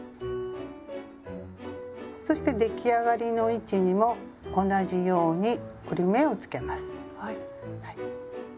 そして出来上がりの位置にも同じように折り目をつけます。